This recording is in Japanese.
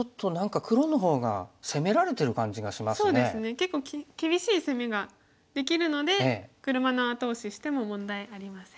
結構厳しい攻めができるので「車の後押し」しても問題ありません。